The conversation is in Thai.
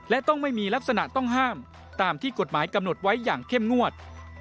และต้องไม่มีลักษณะต้องห้ามตามที่กฎหมายกำหนดไว้อย่างเข้มงวด